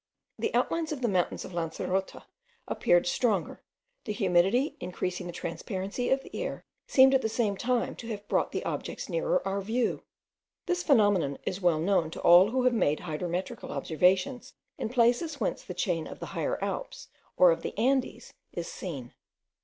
The outlines of the mountains of Lancerota appeared stronger: the humidity, increasing the transparency of the air, seemed at the same time to have brought the objects nearer our view. This phenomenon is well known to all who have made hygrometrical observations in places whence the chain of the Higher Alps or of the Andes is seen.